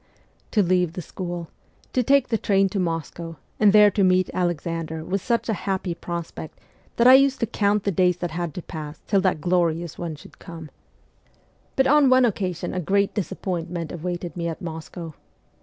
To leave the school, to take the train to Moscow, and there to meet Alexander was such a happy prospect that I used to count the days that had to pass till that i 2 116 MEMOIES OF A REVOLUTIONIST glorious one should arrive. But on one occasion a great disappointment awaited me at Moscow.